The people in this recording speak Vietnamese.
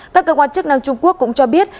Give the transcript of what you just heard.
các cơ quan chức năng trung quốc cũng cho biết